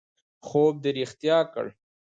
خوب دې رښتیا کړ